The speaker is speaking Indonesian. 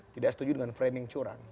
tidak setuju dengan framing curang